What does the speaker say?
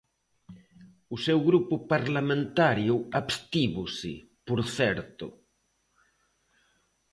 O seu grupo parlamentario abstívose, por certo.